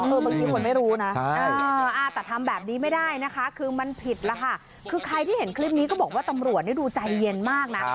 บางทีคนไม่รู้นะแต่ทำแบบนี้ไม่ได้นะคะคือมันผิดแล้วค่ะคือใครที่เห็นคลิปนี้ก็บอกว่าตำรวจดูใจเย็นมากนะ